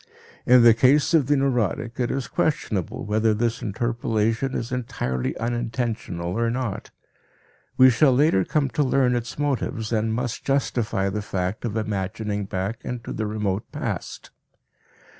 In the case of the neurotic it is questionable whether this interpolation is entirely unintentional or not; we shall later come to learn its motives and must justify the fact of "imagining back" into the remote past.